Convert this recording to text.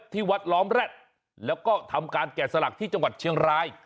ที่วัดล้อมแร็ดแล้วก็ทำการแกะสลักที่จังหวัดเชียงราย